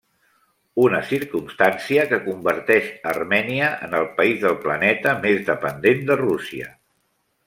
Una circumstància que converteix Armènia en el país del planeta més dependent de Rússia.